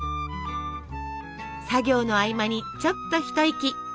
作業の合間にちょっと一息。